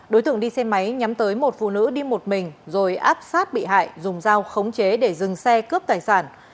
đối tượng đi xe máy nhắm tới một phụ nữ đi một mình rồi áp sát bị hại dùng dao khống chế để dừng xe cướp tài sản